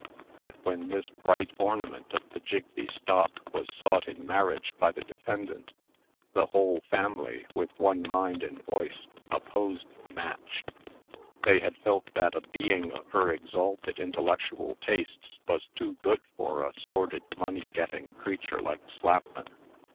That when this bright ornament of the Jigbee stock was sought in marriage by the defendant, the whole family, with one mind and voice, opposed the match. They had felt that a being of her exalted intellectual tastes was too good for a sordid money getting creature like Slapman.